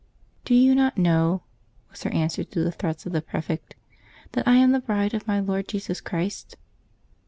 "Do you not know," was her answer to the threats of the prefect, " that I am the bride of my Lord Jesus Christ